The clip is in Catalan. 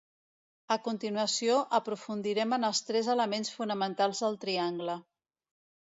A continuació, aprofundirem en els tres elements fonamentals del triangle.